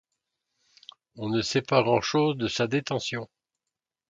On ne sait pas grand-chose de sa détention.